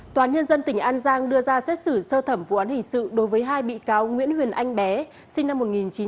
tòa án nhân dân tỉnh an giang đưa ra xét xử sơ thẩm vụ án hình sự đối với hai bị cáo nguyễn huyền anh bé sinh năm một nghìn chín trăm tám mươi